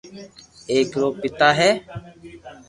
ايڪ رو پيتا ھي